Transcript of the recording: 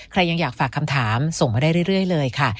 ยังอยากฝากคำถามส่งมาได้เรื่อยเลยค่ะ